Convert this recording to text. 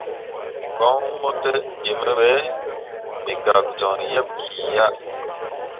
Koŋ mo te in me be, me gak joŋ yeḅ ki ya.